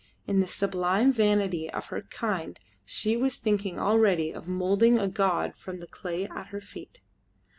In the sublime vanity of her kind she was thinking already of moulding a god from the clay at her feet.